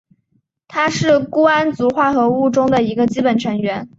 它是钴胺族化合物中的一个基本成员。